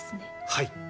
はい。